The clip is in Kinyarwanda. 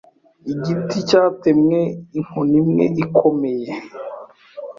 Igiti cyatemwe inkoni imwe ikomeye.